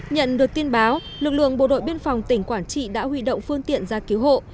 nhận được tin báo lực lượng bộ đội biên phòng tỉnh quảng trị đã huy động phương tiện ra cứu hộ